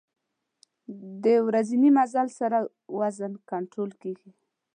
د ورځني مزل سره وزن کنټرول کېږي.